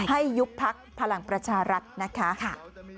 ให้ยุบพักภักดิ์พลังประชารัฐนะคะ